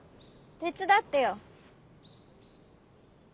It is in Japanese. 手伝ってよ。